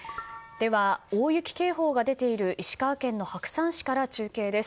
では、大雪警報が出ている石川県の白山市から中継です。